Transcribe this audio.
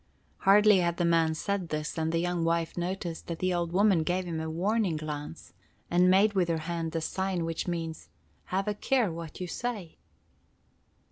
Hardly had the man said this than the young wife noticed that the old woman gave him a warning glance, and made with her hand the sign which means—Have a care what you say.